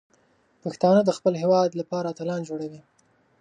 پښتانه د خپل هیواد لپاره اتلان جوړوي.